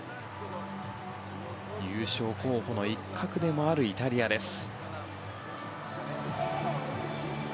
優勝候補の一角でもあるイタリアです。